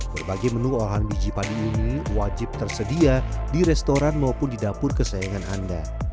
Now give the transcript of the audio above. berbagai menu olahan biji padi unggul wajib tersedia di restoran maupun didapur kesayangan anda